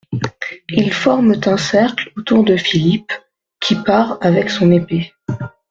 Ils forment un cercle autour de Philippe qui pare avec son épée.